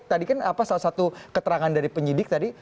tadi kan salah satu keterangan dari penyidik tadi